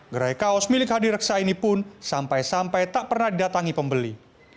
gerai kaos milik hadi reksa ini pun sampai sampai tak pernah didatangi pembeli